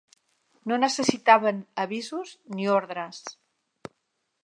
No necessitaven avisos, ni ordres